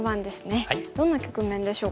どんな局面でしょうか。